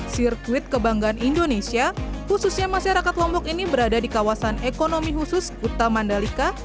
sirkuit kebanggaan indonesia khususnya masyarakat lombok ini berada di kawasan ekonomi khusus kuta mandalika